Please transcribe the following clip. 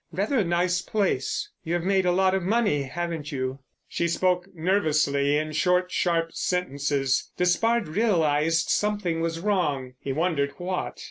Rather a nice place. You have made a lot of money, haven't you?" She spoke nervously, in short, sharp sentences. Despard realised something was wrong. He wondered what.